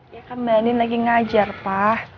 ya kan mbak andin lagi ngajar pa